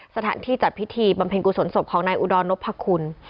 สถานที่จัดพิธีบำเพ็ญกุศลศพของนายอุดรนพคุณ